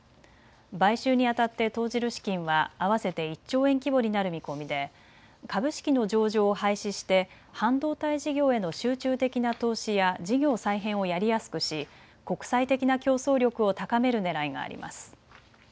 買収にあたって投じる資金は合わせて１兆円規模になる見込みで株式の上場を廃止して半導体事業への集中的な投資や事業再編をやりやすくし国際的な競争力を高めるねらいがあります。